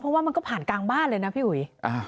เพราะว่ามันก็ผ่านกลางบ้านเลยนะพี่อุ๋ย